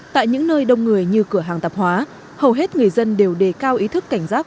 tại những nơi đông người như cửa hàng tạp hóa hầu hết người dân đều đề cao ý thức cảnh giác